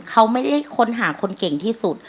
เขาไม่ได้ค้นหาคนเก่งที่สุด